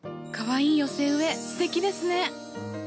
かわいい寄せ植えすてきですね！